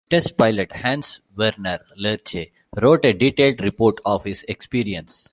Test pilot Hans-Werner Lerche wrote a detailed report of his experience.